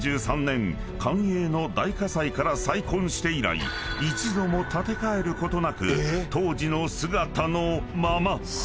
寛永の大火災から再建して以来一度も建て替えることなく当時の姿のまま］